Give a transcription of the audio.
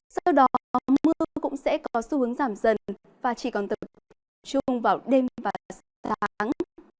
sau đó mưa cũng sẽ có xu hướng giảm dần và chỉ còn tầm chung vào đêm và sáng